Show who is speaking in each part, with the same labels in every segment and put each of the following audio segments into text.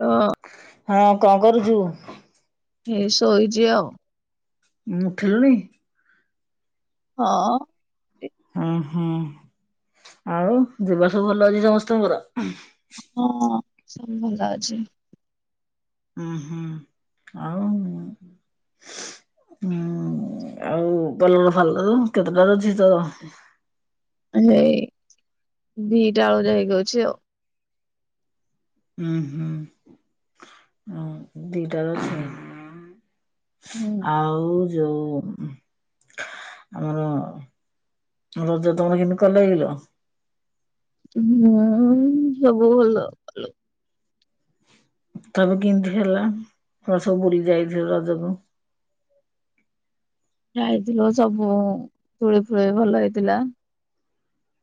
Speaker 1: ରଖ।
Speaker 2: ହଁ କଣ କରୁଛୁ?
Speaker 1: ଏଇ ଶୋଇଛି ଆଉ।
Speaker 2: ଉଁ ଉଠିଲୁଣି।
Speaker 1: ହଁ [unintelligible]
Speaker 2: ଓଁ ହୁଁ ଆଉ ଦେହ ସବୁ ଭଲ ଅଛି ସମସ୍ତଙ୍କର?
Speaker 1: ହଁ ସବୁ ଭଲ ଅଛି।
Speaker 2: ହୁଁ ହୁଁ ଆଉ? ହୁଁ ଆଉ କଲର ଭଲ କେତେଟାରେ ଅଛି [unintelligible]
Speaker 1: ହେଇ ଦି ଟା ବୋଧେ ହେଇକଉଛି ଆଉ।
Speaker 2: ହୁଁ ହୁଁ ଦିଟାର [unintelligible]
Speaker 1: ହୁଁ।
Speaker 2: ଆଉ ଯୋଉ ଆମର ରଜ ତମର କେମତି କଲ କି ଲୋ?
Speaker 1: ହୁଁ ସବୁ ଭଲ।
Speaker 2: ତାପରେ କେମତି ହେଲା ଏର ସବୁ ବୁଲି ଯାଇଥିବ ରଜକୁୁ
Speaker 1: ଯାଇଥିଲୁ ସବୁ ଦୋଳି ଫୁଳି ଭଲ ହେଇଥିଲା।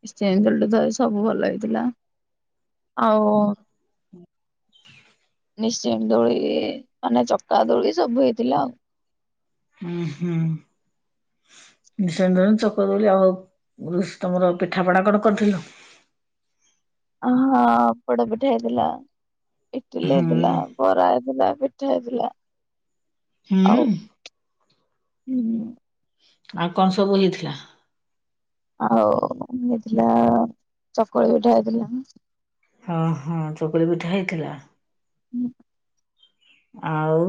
Speaker 1: [unintelligible] ଧରି ସବୁ ଭଲ ହେଇଥିଲା। ଆଉ ନିସିିନ୍ ଦୋଳି ମାନେ ଚକା ଦୋଳି ସବୁ ହେଇଥିଲା ଆଉ।
Speaker 2: ହୁଁ ହୁଁ। ନିଶ୍ଚୟନ୍ତ ଚକ ଦୋଳି ଆଉ ତମର ପିଠାପଣା କଣ କରିଥିଲ?
Speaker 1: ଅ ହଁ ପୋଡ଼ ପିଠା ହେଇଥିଲା। ଇଟଲି ହେଇଥିଲା,
Speaker 2: ହୁଁ
Speaker 1: ବରା ହେଇଥିଲା, ପିଠା ହେଇଥିଲା। ଆଉ
Speaker 2: ହୁଁ
Speaker 1: ହୁଁ
Speaker 2: ଆଉ କଣ ସବୁ ହେଇଥିଲା?
Speaker 1: ଆଉ ହେଇଥିଲା ଚକୁଳି ପିଠା ହେଇଥିଲା।
Speaker 2: ହଁ ହଁ ଚକୁଲି ପିଠା ହେଇଥିଲା?
Speaker 1: ହୁଁ
Speaker 2: ଆଉ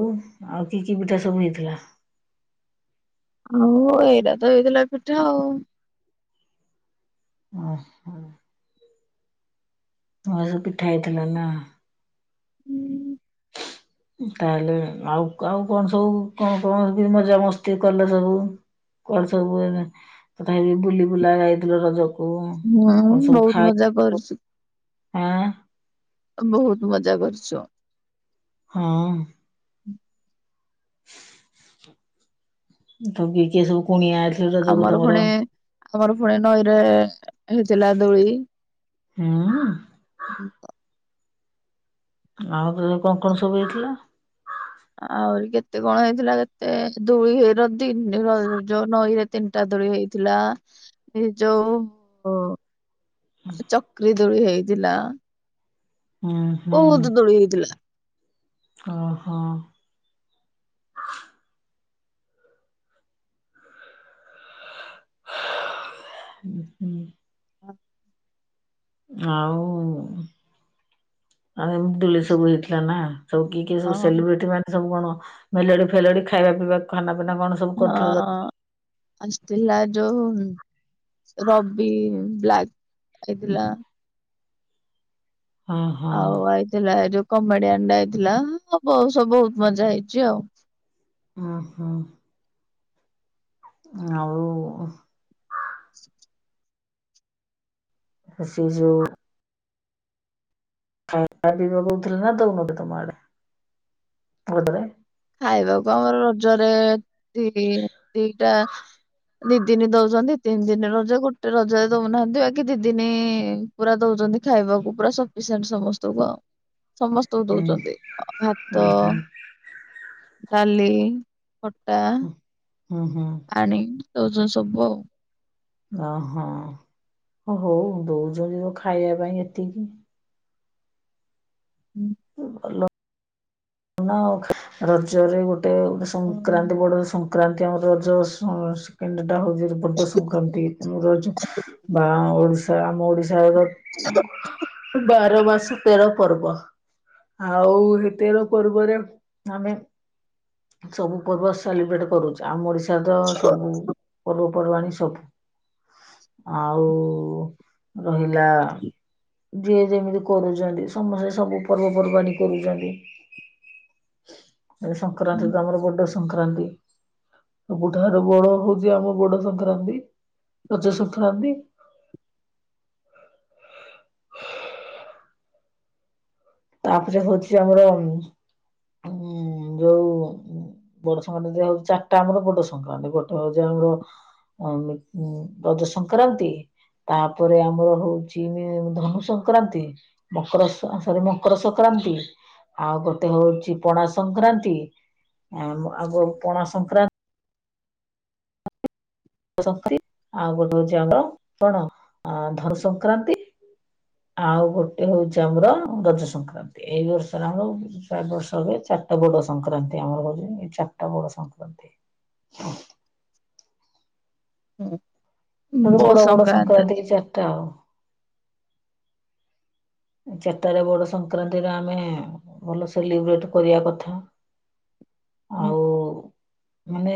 Speaker 2: ଆଉ କି କି ପିଠା ସବୁ ହେଇଥିଲା?
Speaker 1: ଆଉ ଏଇରା ତ ହେଇଥିଲା ପିଠା ଆଉ।
Speaker 2: ଓ ହ ଭଲ ପିଠା ହେଇଥିଲା ନା।
Speaker 1: ହୁଁ।
Speaker 2: ତାହେଲେ ଆଉ ଆଉ କଣ ସବୁ କଣ କଣ ମଜା ମସ୍ତି କଲ ସବୁ? କୁଆଡ ସବୁ ତଥାପି ବୁଲି ବୁଲା ଯାଇଥିଲ ରଜକୁ?
Speaker 1: ମୁଁ ଆଉ
Speaker 2: କଣ ସବୁ
Speaker 1: ବହୁତ
Speaker 2: ଖାଇ
Speaker 1: ମଜା କରିଛୁ।
Speaker 2: ଆଁ
Speaker 1: ବହୁତ ମଜା କରୁଛୁ।
Speaker 2: ହଁ। ତ କିଏ କିଏ ସବୁ କୁଣିଆ ଆଇଥିଲେ ରଜକୁ
Speaker 1: ଆମର
Speaker 2: ତମର?
Speaker 1: ପୁଣି ଆମର ପୁଣି ନଈରେ ହେଇଥିଲା ଦୋଳି।
Speaker 2: ହୁଁ।
Speaker 1: [unintelligible]
Speaker 2: ଆଉ ତାହେଲେ କଣ କଣ ସବୁ ହେଇଥିଲା?
Speaker 1: ଆହୁରି କେତେ କଣ ହେଇଥିଲା କେତେ ଦୂଳି ହେଇର ଦ ଯୋଉ ନଈରେ ତିନିଟା ଦୋଳି ହେଇଥିଲା ହେ ଯୋଉ ଅ ତିନି ଚକରି ଦୋଳି ହେଇଥିଲା।
Speaker 2: ହୁଁ ହୁଁ
Speaker 1: ବହୁତ ଦୋଳି ହେଇଥିଲା।
Speaker 2: ଅହ [unintelligible] ଆଉ ଏମିତି ଦୂଳି ସବୁ ହେଇଥିଲା ନା? ସବ କିଏ କିଏ ସବୁ
Speaker 1: ହଁ
Speaker 2: ସେଲିବ୍ରିଟି ମାନେ ସବୁ କଣ ମେଲୋଡି ଫେଲୋଡି ଖାଇବା ପିଇବା ଖାନା ପିନା କଣ? ସବୁ କରିଥିଲେ ର
Speaker 1: ହଁ ଆସିଥିଲା ଯୋଉ ରବି ବ୍ଲାକ୍ ଆଇଥିଲା।
Speaker 2: ହଁ ହଁ
Speaker 1: ଆଉ ଆଇଥିଲା ଏ ଯୋଉ କମେଡିଆନଟା ଆଇଥିଲା ବହୁ ସବୁ ବହୁତ ମଜା ହେଇଛି ଆଉ।
Speaker 2: ଅହ। ଆଉ-
Speaker 1: [inaudible]
Speaker 2: ସେ ଯଉ ଖାଇବା ପିଇବା ଦଉଥିଲେ ନା ଦଉନଥିଲେ ତମ ଆଡେ ରଜରେ?
Speaker 1: ଖାଇବାକୁ ଆମର ରଜରେ ଦି ଦିଟା ଦି ଦିନି ଦଉଛନ୍ତି ତିନି ଦିନ ରଜ ଗୋଟେ ରଜ ଦଉନାହାନ୍ତି ବାକି ଦି ଦିନି ପୁରା ଦଉଛନ୍ତି ଖାଇବାକୁ ପୁରା ସଫିସିଏଣ୍ଟ ସମସ୍ତଙ୍କୁ ଆଉ। ସମସ୍ତେ ସମସ୍ତଙ୍କୁ ତ
Speaker 2: ଉଁ
Speaker 1: ଦଉଛନ୍ତି
Speaker 2: ଉଁ
Speaker 1: ଭାତ
Speaker 2: ହୁଁ
Speaker 1: ଡାଲି, ଖଟା।
Speaker 2: ହୁଁ ହୁଁ।
Speaker 1: ଆଣିକି ଦଉଛନ୍ତି ସବୁ ଆଉ।
Speaker 2: ଓହୋ ହଉ ଦଉଛନ୍ତି ତୋ ଖାଇବା ପାଇଁ ଏତିକି।
Speaker 1: ହୁଁ।
Speaker 2: ହ ଭଲ। ନା ଆଉ ରଜରେ ଗୋଟେ ଗୋଟେ ସଂକ୍ରାନ୍ତି ପଡେ ସଂକ ସଂକ୍ରାନ୍ତି ଆମ ରଜ ସଂ ଡଟା ହଉଛି ବଡ ସଂକ୍ରାନ୍ତି ଆମ ରଜ ବା ଓଡିଶା ଆମ ଓଡିଶାରା ବାର ମାସ ତେର ପର୍ବ ଆଉ ଏ ତେର ପର୍ବରେ ଆମେ ସବୁ ପର୍ବ ସାଲିବ୍ରେଟ କରୁଛୁ। ଆମ ଓଡ଼ିଶାରେ ତ ସବୁ ପର୍ବପର୍ବାଣିୀ ସବୁ। ଆଉ ରହିଲା ଯିଏ ଯେମିତି କରୁଛନ୍ତି ସମସ୍ତେ ସବୁ ପର୍ବପର୍ବାଣିୀ କରୁଛନ୍ତି। ଏ ସଂକ୍ରାନ୍ତି ତ ଆମର ବଡ ସଂକ୍ରାନ୍ତି। ସବୁଠାର ବଡ ହଉଛି ଆମ ବଡ ସଂକ୍ରାନ୍ତି ରଜ ସଂକ୍ରାନ୍ତି। ତାପରେ ହଉଛି ଆମର ଉଁ ଯୋଉ ଉଁ ବଡ ସଂକ୍ରାନ୍ତି ଯ ହଉ ଚାରିଟା ଆମର ବଡ ସଂକ୍ରାନ୍ତି ଗୋଟେ ହଉଛି ଆମର ରଜ ସଂକ୍ରାନ୍ତି ତାପରେ ଆମର ହଉଛି ଧନୁ ସଂକ୍ରାନ୍ତି ମକର ସ ମକର ସଂକ୍ରାନ୍ତି ଆଉ ଗୋଟେ ହଉଚି ପଣା ସଂକ୍ରାନ୍ତି ଆ ଆଗ ପଣ ସଂକ୍ରାନ୍ତି ା ଆଉ ଗୋଟେ ହଉଛି ଆମର କଣ ଅ ଧନୁ ସଂକ୍ରାନ୍ତି ଆଉ ଗୋଟେ ହଉଛି ଆମର ରଜ ସଂକ୍ରାନ୍ତି ଏଇ ବର୍ଷରେ ଆମର ଚାର ବର୍ଷ ହୁଏ ଚାରିଟା ବଡ ସଂକ୍ରାନ୍ତି ଆମର କଉଛି ଏ ଚାରିଟା ବଡ ସଂକ୍ରାନ୍ତି।
Speaker 1: ହୁଁ। [unintelligible]
Speaker 2: ତେ ବଡ ବଡ ସଂକ୍ରାନ୍ତି କି ଚାରିଟା ଆଉ। ଚାରିଟାରେ ବଡ ସଂକ୍ରାନ୍ତିରେ ଆମେ ଭଲ ସେଲିବ୍ରେଟ କରିବା କଥା
Speaker 1: ହଁ
Speaker 2: ଆଉ ମାନେ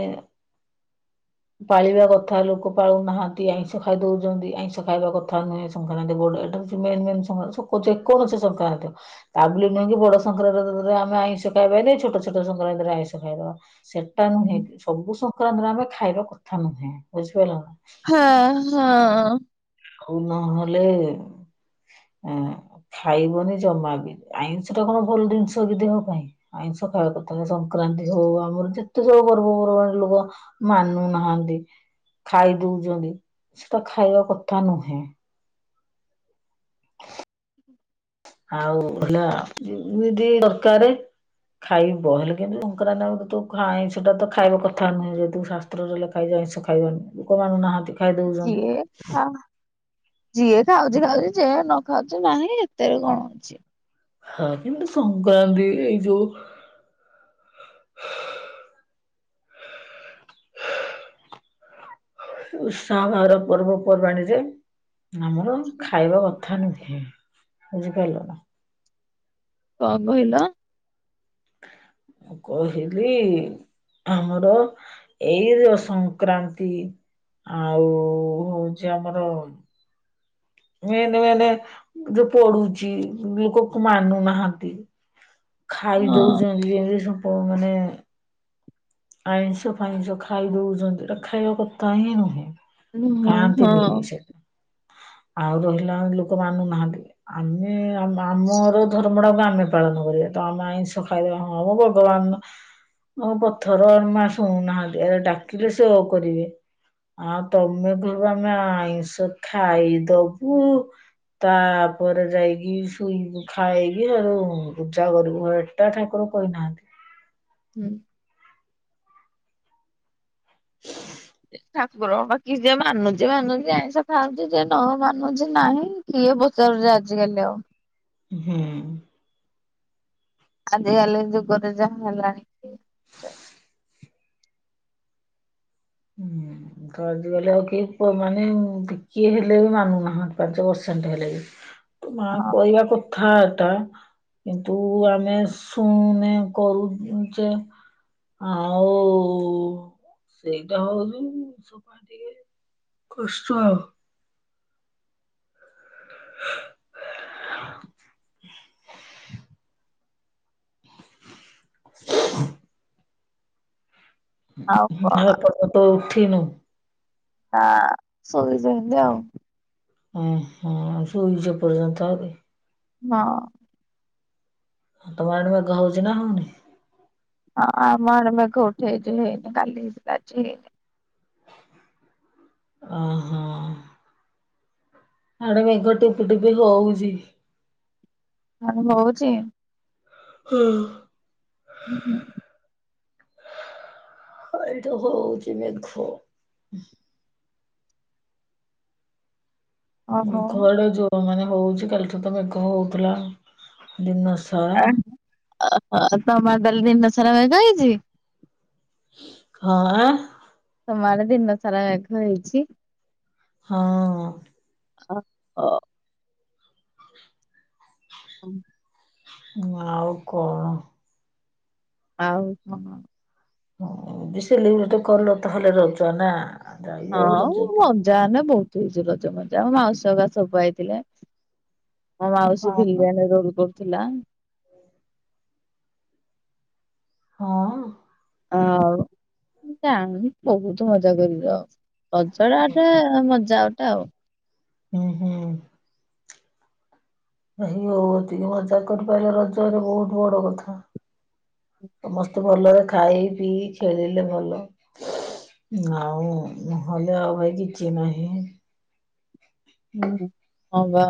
Speaker 2: ପାଳିବା କଥା ଲୋକ ପାଳୁନାହାଁନ୍ତି ଆଇଁଷ ଖାଇ ଦଉଛନ୍ତି ଆଇଁଷ ଖାଇବା କଥା ନୁହେଁ ଯେ କୌଣସି ସଂକ୍ରାନ୍ତି ହବେ ତା ନୁହଁକି ବଡ ସଂକ୍ରାନ୍ତିରେ ଆମେ ଆଇଁଷ ଖାଇବାି ଛୋଟ ଛଟ ସଂକ୍ରାନ୍ତିରେ ଆଇଁଷ ଖାଇଦବା। ସେଟା ନୁହେଁ ସବୁ ସଂକ୍ରାନ୍ତିରେ ଆମେ ଖାଇବା କଥା ନୁହେଁ ବୁଝିପାରିଲ ନା
Speaker 1: ହଁ ହଁ।
Speaker 2: ଆଉ ନହେଲେ ଆ ଖାଇବନି ଜମା ବିି ଆଇଁଷଟା କଣ ଭଲ ଜିନିଷ କି ଦେହ ପାଇଁ ଆଇଁ ସକାଳ କରିଥା ସଂକ୍ରାନ୍ତି ହଉ ଆମର ଯେତେ ସବୁ ପର୍ବପର୍ବାଣି ଲୋକ ମାନୁନାହାନ୍ତି ଖାଇ ଦଉଛନ୍ତି ସେଟା ଖାଇବା କଥା ନୁହେଁ।
Speaker 1: [unintelligible]
Speaker 2: ଆଉ ହେଲା ଦିଦି ଦରକାର ଖାଇବ ହେଲେ କିନ୍ତୁ ଶଙ୍କରାାନ ଖାଇ ସେଟା ତ ଖାଇବା କଥା ନୁହେଁ ଯେତୁ ଶା ପତ୍ରରେ ଲ ଖାଇ ଜଇିଷ ଖାଇବନି ଲୋକ ମାନଙ୍କୁ ନାହାନ୍ତି
Speaker 1: ଯିଏ ହଁ ଯିଏ ଖାଉଛି ଖାଉଛି ଯିଏ ନ ଖାଉଛି ନାହିଁ ଏତେରେ କଣ ଅଛି।
Speaker 2: ହଁ କିନ୍ତୁ ସଂକ୍ରାନ୍ତି ଏଇ ଯୋଉ ଉତ୍ସାହ ବାର ପର୍ବପର୍ବାଣିୀରେ ଆମର ଖାଇବା କଥା ନୁହେଁ ବୁଝିପାରିଲ ନା।
Speaker 1: କ କହିଲ।
Speaker 2: କହିଲି ଆମର ଏଇ ଯୋଉ ସଂକ୍ରାନ୍ତି ଆଉ ହଉଚି ଆମର ମେନ୍-ମେନ୍ ଯୋଉ ପଡୁଚି ଲୋକକୁ ମାନୁନାହାଁନ୍ତି ଖାଇ
Speaker 1: ହଁ
Speaker 2: ଦଉଛନ୍ତି ଏବେ ସବୁ ମାନେ ଆଇଁଷ ପାଇଁଷ ଖାଇ ଦଉଚନ୍ତି ଏଟା ଖାଇବା କଥା ହିଁ ନୁହେଁ।
Speaker 1: ହଁ ହଁ
Speaker 2: ଖାଆନ୍ତିନି ବି ସେ ଆଉ ରହିଲା ଲୋକ ମାନୁନାହାନ୍ତି ଆମେ ଆମର ଧର୍ମଟାକୁ ଆମେ ପାଳନ କରିବା ତ ଆମେ ଆଇଁଷ ଖାଇଦେବା ହଁ ଭଗବାନ୍ [unintelligible] ଥର [unintelligible] ଶୁଣୁନାହାନ୍ତି ଡାକିଲେ ସେ ଉ କରିବେ ଆଉ ତମେ କହିବ ଆମେ ଆଇଁଷ ଖାଇଦବୁ ତାପରେ ଯାଇକି ଶୋଇ ଖାଇକି ଆର ପୂଜା କରିବୁ। [unintelligible] ଠାକୁର କହିନାହାନ୍ତି।
Speaker 1: ହୁଁ। ଠାକୁରଙ୍କ ବାକି ଯିଏ ମାନୁଚି-ମାନୁଚି ଆଇଁଷ ଖାାଉଚି ଯିଏ ନ ମାନୁଚି ନାହିଁ। କିଏ ପଚାରୁଚି ଆଜିକାଲି ଆଉ।
Speaker 2: ହୁଁ।
Speaker 1: ଆଜିକାଲି ଯୁଗରେ ଯାହା ହେଲାଣି
Speaker 2: ହୁଁ। ତ ଆଜିକାଲି ଆଉ କିଏ ପୁଅ ମାନେ ଟିକିଏ ହେଲେ ବି ମାନୁନାହାନ୍ତି ପାଞ୍ଚ ପରସେଣ୍ଟ ହେଲେ ବି। ତ ମା
Speaker 1: ହଁ
Speaker 2: କହିବାକୁ [unintelligible] କିନ୍ତୁ ଆମେ ଶୁଣୁନେ କରୁଚେ। ଆଉ ସେଇ [unintelligible] କଷ୍ଟ ଆଉ। ହଁ। [inaudible]
Speaker 1: ଆଉ କଣ
Speaker 2: ଏପର୍ଯ୍ୟନ୍ତ ଉଠିନୁ।
Speaker 1: [unintelligible] ଶୋଇଚନ୍ତି ଆଉ।
Speaker 2: ହୁଁ-ହୁଁ ଶୋଇଛି ଏପର୍ଯ୍ୟନ୍ତ ଆରି।
Speaker 1: ହଁ।
Speaker 2: ତମ ଆଡ଼େ ମେଘ ହଉଚି ନା ହଉନି?
Speaker 1: ହଁ ଆମଆଡ଼େ ମେଘ ଉଠେଇଚି ହେଇନି କାଲିି ହେଇଥିଲା ଆଜି ହେଇନି।
Speaker 2: ହଁ-ହଁ। ଆଡେ ମେଘ ଟିପଟିପି ହଉଛି।
Speaker 1: [unintelligible] ହଉଚି।
Speaker 2: ହଁ।
Speaker 1: ହୁଁ-ହୁଁ।
Speaker 2: [unintelligible] ହଉଚି ମେଘ।
Speaker 1: ଓହୋ
Speaker 2: ମେଘ ଆଡ଼େ ଯୋଉ ମାନେ ହଉଚି କାଲି ତ ମେଘ ହଉଥିଲା ଦିନ ସା
Speaker 1: [unintelligible] ତମ ଆଡ଼େ ତାହାଲେ ଦିନ ସାରା ମେଘ ହେଇଛି।
Speaker 2: ହଁ ଆଁ।
Speaker 1: ତମ ଆଡ଼େ ଦିନ ସାରା ମେଘ ହେଇଚି।
Speaker 2: ହଁ।
Speaker 1: ହ ଅ। [unintelligible]
Speaker 2: ଆଉ କଣ?
Speaker 1: ଆଉ କଣ?
Speaker 2: ହୁଁ ବେସେ ଲିଉହତ କଲ ତାହେଲେ ରହୁଚ, ନାଁ?
Speaker 1: ହଁ ମଜା ଆନେ ବହୁତୁ ହେଇଚି ରଜ ମଜା ମୋ ମାଉସୀ ହଗା ସବୁ ଆଇଥିଲେ। ମୋ ମାଉସୀ
Speaker 2: ହଁ ବା
Speaker 1: ଭିଲିଆନ୍ ରୋଲ କରୁଥୁଲା।
Speaker 2: ହଁ?
Speaker 1: ଆଉ ମୁଁ ଜାଣୁନି ବହୁତ ମଜା କରିର। ରଜଟା ଏଠେ ମଜା ଓଟେ ଆଉ।
Speaker 2: ହୁଁ ହୁଁ। ରହି ଅଉ ଏତିିକି ମଜା କରିପାଇଲା ରଜରେ ବହୁତ ବଡ଼ କଥା। ମସ୍ତେ ଭଲରେ ଖାଇ ପିଇ ଖେଳିଲେ ଭଲ। ଉଁ ଆଉ ନହଲେ ଆଉ ଭାଇ କିଛି ନାହିଁ।
Speaker 1: ହୁଁ ହଁ ବା।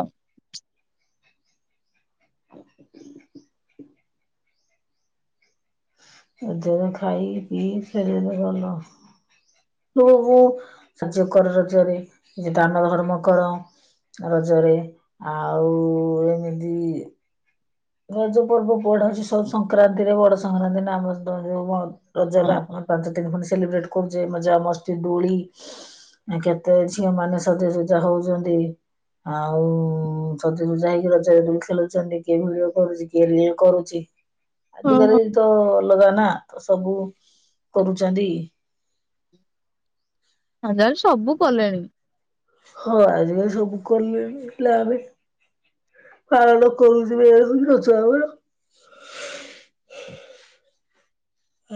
Speaker 2: ଏ ଯୋଉ ଖାଇ ପିଇ ଖେଳିଲେ ଭଲ। ଓହୋ ସାଯ୍ୟ କର ରଜରେ ଯେ ଦାନ ଧର୍ମ କର। ରଜରେ ଆଉ ଏମିତି ରଜ ପର୍ବ ପଢ଼ାଉଛି ସବୁ ସଂକ୍ରାନ୍ତିରେ ବଡ଼ ସଂକ୍ରାନ୍ତି ନାଁ ଆମର ତ ଯୋଉ ବ
Speaker 1: ହଁ।
Speaker 2: ରଜଟା ଆପଣ ପାଞ୍ଚ ଦିନି ଖଣ୍ଡ ସେଲିବ୍ରେଟ କରୁଚେ ମଜା ମସ୍ତି ଦୋଳି। ଆ କେତେ ଝିଅମାନେ ସଜେସଜା ହଉଚନ୍ତି। ଆଉ ସଜକୁ ଯାଇକି ରଜରେ ଦୋଳି ଖେଳୁଛନ୍ତି କେଉଭଳି ବା କରୁଚି କିଏ ଲିଏ କରୁଚି ଆଜିକାଲି
Speaker 1: ହଁ।
Speaker 2: ତ ଅଲଗା ନାଁ ତ ସବୁ କରୁଚନ୍ତି।
Speaker 1: ଅଜରେ ସବୁ କଲେଣି।
Speaker 2: ହଁ ଆଜିକାଲି ସବୁ କଲେଣି ହେଲେ ଆମେ ପାଳନ କରୁଚେ ଯା ହୋଉ ରଜ ଆମର।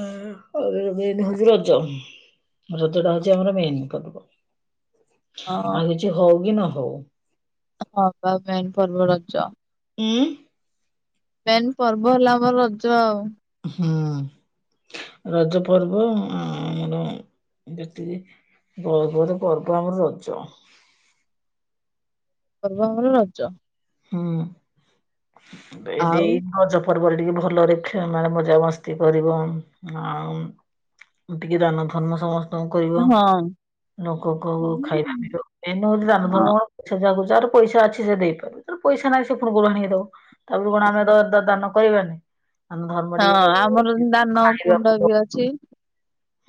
Speaker 2: ଆଁ ଆମର ମେନ୍ ହଉଚି ରଜ ରଜଟା ହଉଚି ଆମର ମେନ୍ ପର୍ବ।
Speaker 1: ହଁ
Speaker 2: ଆଉ କିଛି ହଉ କି ନ ହଉ।
Speaker 1: ହଁ ପା ମେନ୍ ପର୍ବ ରଜ।
Speaker 2: ଉଁ?
Speaker 1: ମେନ୍ ପର୍ବ ହେଲା ଆମର ରଜ ଆଉ।
Speaker 2: ହୁଁ ରଜ ପର୍ବ ଆମର ଯେତିକି ବ ବଡ଼ ପର୍ବ ଆମର ରଜ।
Speaker 1: ପର୍ବ ଆମର ରଜ।
Speaker 2: ହୁଁ ବେ
Speaker 1: ଆଉ
Speaker 2: ଦେଇ ରଜ ପର୍ବରେ ଟିକେ ଭଲରେ ଖେ ମାନେ ମଜା ମସ୍ତି କରିବ ଆଉ ଟିକେ ଦାନ ଧର୍ମ ସମ ତଂ କରିବ
Speaker 1: ହଁ।
Speaker 2: ଲୋକ କ ଖାଇବା ପିଇବା ମେନ୍ ହଉଚି ଦାନ
Speaker 1: ହଁ
Speaker 2: ଧର୍ମ। ସେଯାକୁ ଯାର ପଇସା ଅଛି ସେ ଦେଇପାରୁ। ତୋର ପଇସା ନାଇଁ ସେ ପୁଣି କୋଉ ଆଣିକି ଦବ? ତାକୁ କଣ ଆମେ ଦ ଦାନ କରିବାନେଇ?
Speaker 1: ହଁ ଆମର ଦାନ କୁଣ୍ଡ ବି ଅଛି।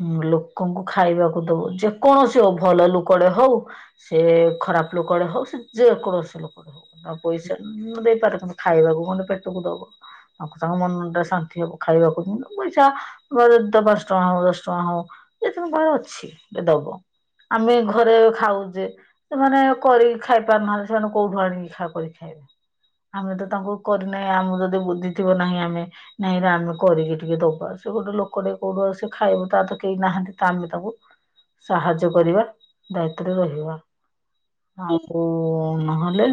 Speaker 2: ହୁଁ ଲୋକଙ୍କୁ ଖାଇବାକୁ ଦବ ଯେକୌଣସି ଅ ଭଲ ଲୋକଟେ ହଉ ସେ ଖରାପ ଲୋକଟେ ହଉ ସେ ଯେକୌଣସି ଲୋକ। ହଉ ନ ପଇସା ମୁଁ ଦେଇପାରେ ତମେ ଖାଇବାକୁ ଗଣ୍ଡେ ପେଟକୁ ଦବ। ଅକୁ ତାଙ୍କ ମନୁଡେ ଶାନ୍ତି ହବ ଖାଇବାକୁ [inaudible] ପଇସା ବ ଯେ ଦେ ପାଁଶ ଟଙ୍କା ହଉ ଦଶ୍ ଚଁ ହ ଏଇଥୁଁ କଣ ଅଛି ଦେ ଦବ ଆମେ ଘରେ ଖାଉଚେ। ସେମାନେ କରିିକି ଖାଇପାରୁନାହାନ୍ତି ସେମାନେ କୋଉଠୁ ଆଣିକି ଖା କରି ଖାଇବେ? ଆମେ ତ ତାଙ୍କୁ କରିନାହିଁ ଆମକୁ ଯଦି ବୁଝିଥିବ ନାହିଁ ଆମେ ନାଇଁ ରେ ଆମେ କରିକି ଟିକେ ଦବା ସେ ଗୋଟେ ଲୋକ ଟିକେ କଉଠୁ ଆଉ ସେ ଖାଇବ ତାର ତ କେହି ନାହାନ୍ତି ତା ଆମେ ତାକୁ ସାହାଯ୍ୟ କରିବା ଦାୟିତ୍ଵରେ ରହିବା ଆଉ ନହେଲେ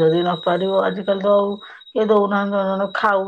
Speaker 2: ଯଦି ନପାରିବ ଆଜିକାଲି ତ ଆଉ କିଏ ଦଉନାହାନ୍ତି ଜଣେ ଜଣ ଖାଉ